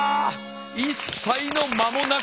一切の間もなく！